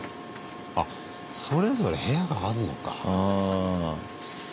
あそれぞれ部屋があんのか。